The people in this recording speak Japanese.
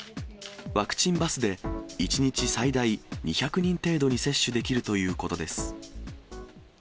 ワクチンバスで、１日最大２００人程度に接種できるということです。